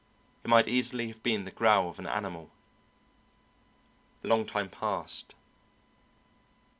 It might easily have been the growl of an animal. A long time passed.